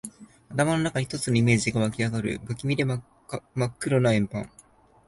頭の中に一つのイメージが湧きあがる。不気味で真っ黒な円盤。